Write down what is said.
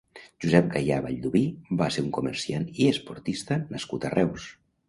Josep Gaya Vallduví va ser un comerciant i esportista nascut a Reus.